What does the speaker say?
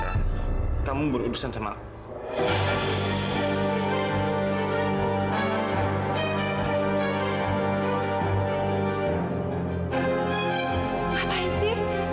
dia tuh kan bukan siapa siapa